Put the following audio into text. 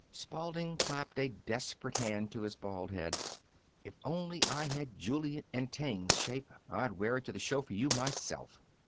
Spalding clapped a desperate hand to his bald head. "If only I had Julian Eltinge's shape, I'd wear it to the show for you myself."